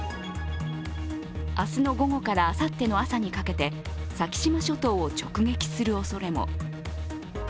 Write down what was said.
明日の午後からあさっての朝にかけて先島諸島を直撃するおそれも。